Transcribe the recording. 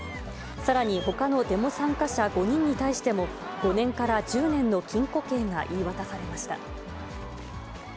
さらに、ほかのデモ参加者５人に対しても、５年から１０年の禁錮刑が言い渡されました。